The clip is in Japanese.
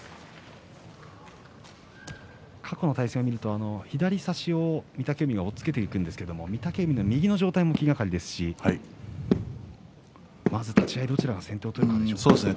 過去の対戦を見ると左差しを御嶽海が押っつけていきますが御嶽海の右の状態も気がかりですしまず立ち合いは、どちらが先手を取るかでしょうね。